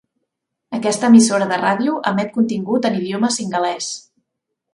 Aquesta emissora de ràdio emet contingut en idioma singalès.